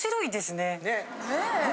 ねえ！